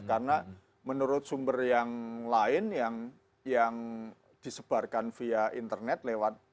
karena menurut sumber yang lain yang disebarkan via internet lewat